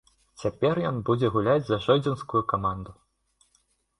Цяпер ён будзе гуляць за жодзінскую каманду.